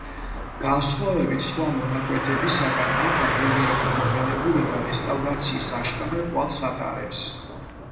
განსხვავებით სხვა მონაკვეთებისაგან აქ აგურია გამოყენებული და რესტავრაციის აშკარა კვალს ატარებს.